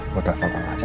tidak ada yang ngerasa